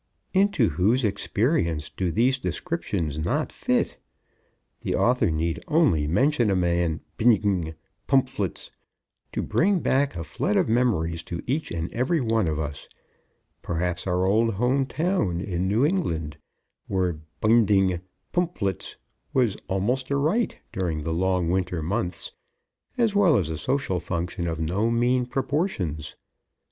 Into whose experience do these descriptions not fit? The author need only mention a man bindg pmphlts to bring back a flood of memories to each and every one of us perhaps our old home town in New England where bindg pmphlts was almost a rite during the long winter months, as well as a social function of no mean proportions.